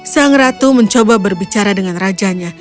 sang ratu mencoba berbicara dengan rajanya